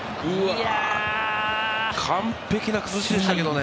完璧な崩しでしたけれどもね。